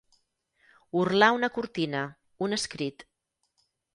Orlar una cortina, un escrit.